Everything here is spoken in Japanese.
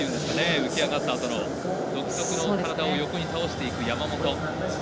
浮き上がったあとの独特の体を横に倒していく山本。